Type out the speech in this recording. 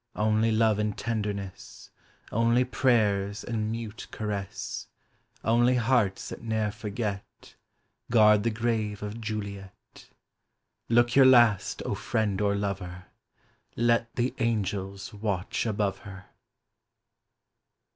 Only love and tenderness. Only prayers and mute caress, Only hearts that ne'er forget, Guard the grave of Juhet. Look your last, O friend or lover. Let the angels watch above her